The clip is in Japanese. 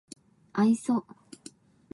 愛想